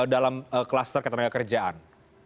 dalam kluster ketenaga kerjaan